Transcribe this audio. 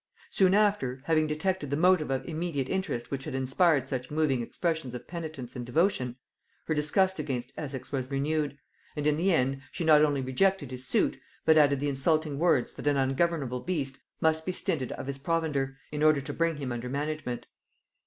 Soon after, having detected the motive of immediate interest which had inspired such moving expressions of penitence and devotion, her disgust against Essex was renewed; and in the end, she not only rejected his suit, but added the insulting words, that an ungovernable beast must be stinted of his provender, in order to bring him under management.